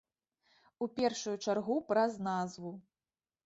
У першую чаргу праз назву.